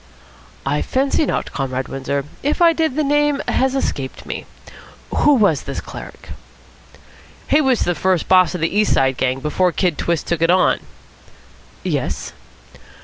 "I fancy not, Comrade Windsor. If I did, the name has escaped me. Who was this cleric?" "He was the first boss of the East Side gang, before Kid Twist took it on." "Yes?"